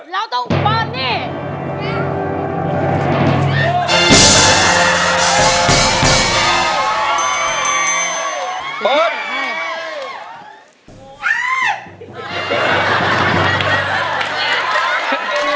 เราต้องปล้อนเนี่ย